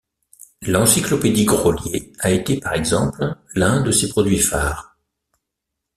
L'encyclopédie Grolier a été par exemple l'un de ses produits phares.